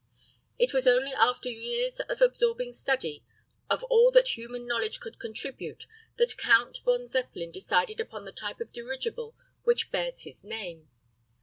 It was only after years of absorbing study of all that human knowledge could contribute that Count von Zeppelin decided upon the type of dirigible which bears his name.